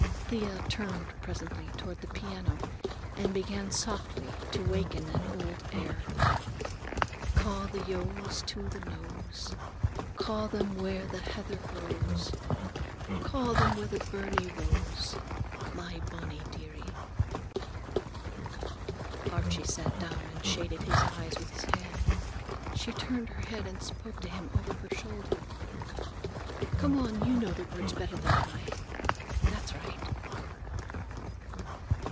Thea turned presently toward the piano and began softly to waken an old air:— "Ca' the yowes to the knowes, Ca' them where the heather grows, Ca' them where the burnie rowes, My bonnie dear ie." Archie sat down and shaded his eyes with his hand. She turned her head and spoke to him over her shoulder. "Come on, you know the words better than I. That's right."